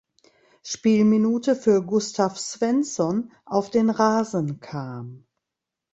Spielminute für Gustav Svensson auf den Rasen kam.